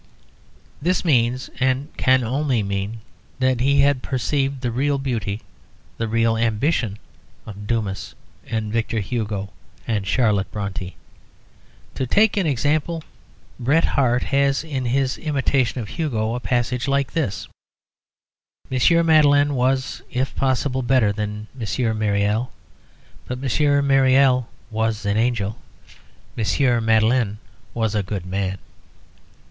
This means, and can only mean, that he had perceived the real beauty, the real ambition of Dumas and Victor Hugo and Charlotte Brontë. To take an example, Bret Harte has in his imitation of Hugo a passage like this: "M. Madeline was, if possible, better than M. Myriel. M. Myriel was an angel. M. Madeline was a good man."